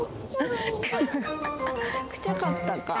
くちゃかったか。